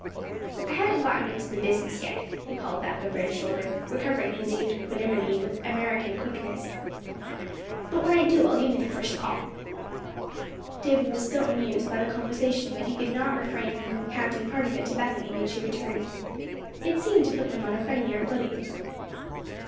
"I haven't gone into the business yet," he called back over his shoulder, recovering his equanimity with young American quickness, "But when I do I'll give you the first call." David was so amused by the conversation that he could not refrain from recounting part of it to Bethany when she returned. It seemed to put them on a friendlier footing.